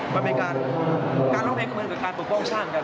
มันเป็นการร่วมเอกมันเหมือนกับการปกป้องชาติกัน